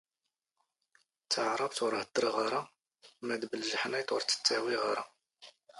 ⵜⴰⵄⵔⴰⴱⵜ ⵓⵔ ⵀⴷⴷⵔⵖ ⴰⵔⴰ, ⵎⴰ ⴷ ⴱⵍⵊⵃⵏⵉⵟ ⵓⵔ ⵜ-ⵜⵜⴰⵡⵉⵖ ⴰⵔⴰ